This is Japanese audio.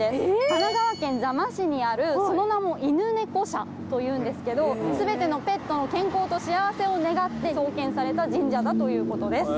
神奈川県座間市にあるその名も伊奴寝子社というんですけど全てのペットの健康と幸せを願って創建された神社だということです。